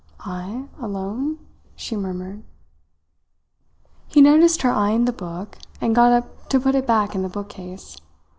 "I alone?" she murmured. He noticed her eyeing the book, and got up to put it back in the bookcase.